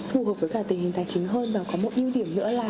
phù hợp với cả tình hình tài chính hơn và có một ưu điểm nữa là